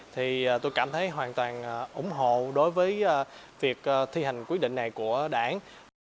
thì tôi cảm thấy hoàn toàn ủng hộ đối với việc thi hành quyết định này của đảng